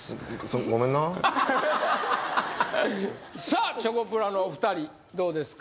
はっさあチョコプラのお二人どうですか？